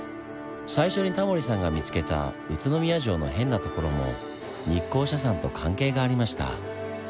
最初にタモリさんが見つけた宇都宮城のヘンなところも日光社参と関係がありました。